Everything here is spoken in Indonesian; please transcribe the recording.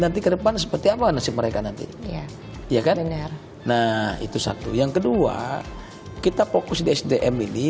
nanti ke depan seperti apa nasib mereka nanti ya kan nah itu satu yang kedua kita fokus di sdm ini